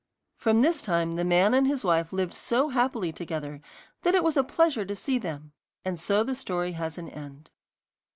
From this time the man and his wife lived so happily together that it was a pleasure to see them, and so the story has an end.